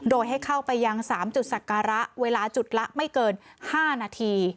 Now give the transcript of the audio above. โดยให้เข้าไปยัง๓จุดศักระเวลาจุดละไม่เกิน๕นาที